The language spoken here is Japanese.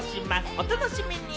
お楽しみに。